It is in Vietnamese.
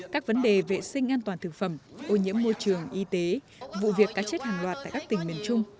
các vấn đề vệ sinh an toàn thực phẩm ô nhiễm môi trường y tế vụ việc cá chết hàng loạt tại các tỉnh miền trung